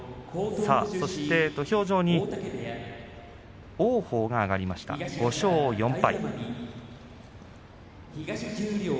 土俵上に王鵬が上がりました５勝４敗。